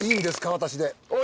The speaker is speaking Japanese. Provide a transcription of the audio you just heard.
私で。